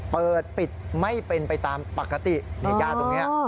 เปิดปิดไม่เป็นไปตามปกตินี่ย่าตรงนี้